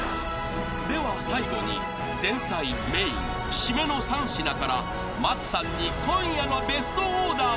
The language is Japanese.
［では最後に前菜メイン締めの３品から松さんに今夜のベストオーダーを決めていただきます］